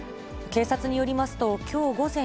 警察によりますと、きょう午前４